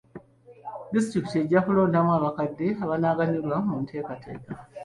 Disitulikiti ejja kulondamu abakadde abanaaganyulwa mu nteekateeka.